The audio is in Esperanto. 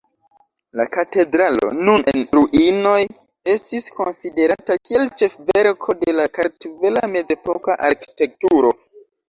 La katedralo, nun en ruinoj, estis konsiderata kiel ĉefverko de la kartvela mezepoka arkitekturo.